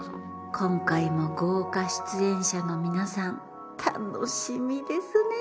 今回も豪華出演者の皆さん楽しみですね！